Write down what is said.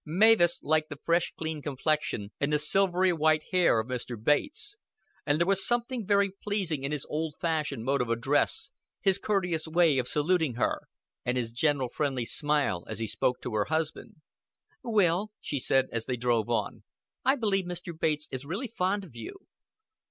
Mavis liked the fresh clean complexion and the silvery white hair of Mr. Bates, and there was something very pleasing in his old fashioned mode of address, his courteous way of saluting her, and his gentle friendly smile as he spoke to her husband. "Will," she said, as they drove on, "I believe Mr. Bates is really fond of you."